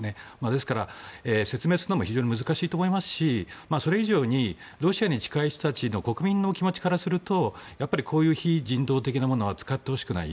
ですから説明するのも非常に難しいと思いますしそれ以上にロシアに近い人たちの国民の気持ちからするとこういう非人道的なものは使ってほしくない。